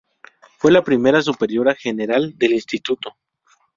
Fue la primera superiora general del instituto.